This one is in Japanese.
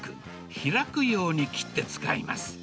開くように切って使います。